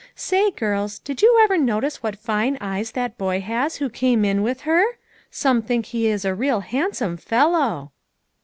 Say, girls, did you ever notice what fine eyes that boy has who came in with her ? Some think he is a real handsome fellow."